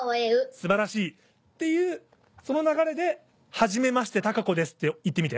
素晴らしい！っていうその流れで「はじめましてたかこです」って言ってみて？